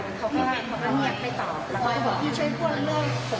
แล้วก็เขาก็เดินออกไปนั้นก็สักพักนิดหนึ่งแล้วก็